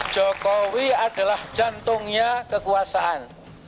jokowi adalah jantungnya kekuasaan